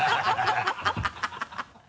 ハハハ